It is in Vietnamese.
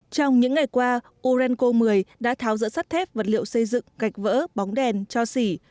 trong những ngày qua urenco một mươi đã tháo rỡ sắt thép vật liệu xây dựng gạch vỡ bóng đèn cho xỉ